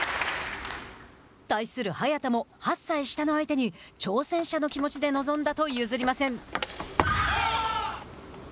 対する早田も８歳下の相手に挑戦者の気持ちで臨んだと譲りません。